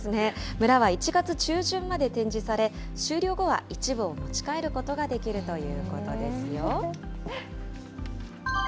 村は１月中旬まで展示され、終了後は一部を持ち帰ることができるということですよ。